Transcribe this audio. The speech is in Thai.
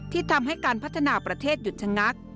ที่ทำให้การพัฒนาประเทศหยุดชะงัก